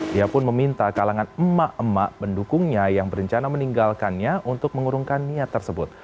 dia pun meminta kalangan emak emak pendukungnya yang berencana meninggalkannya untuk mengurungkan niat tersebut